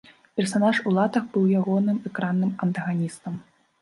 Персанаж у латах быў ягоным экранным антаганістам.